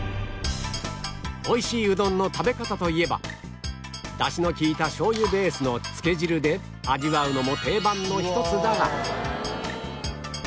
美味しいうどんの食べ方といえば出汁の利いたしょう油ベースのつけ汁で味わうのも定番の一つだが